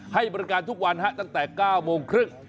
ให้บริการทุกวันตั้งแต่๙โมงครึ่ง